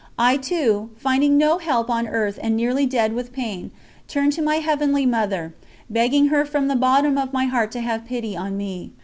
I too, finding no help on earth and nearly dead with pain, turned to my Heavenly Mother, begging her from the bottom of my heart to have pity on me.